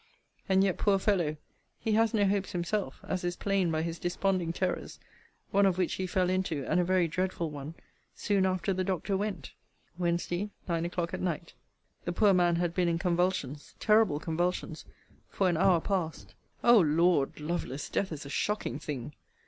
And yet, poor fellow, he has no hopes himself, as is plain by his desponding terrors; one of which he fell into, and a very dreadful one, soon after the doctor went. WEDNESDAY, NINE O'CLOCK AT NIGHT. The poor man had been in convulsions, terrible convulsions! for an hour past. O Lord! Lovelace, death is a shocking thing!